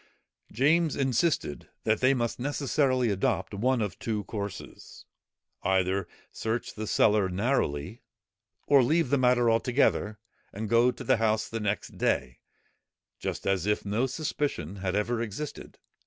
James insisted, that they must necessarily adopt one of two courses; either search the cellar narrowly, or leave the matter altogether, and go to the House the next day, just as if no suspicion had ever existed.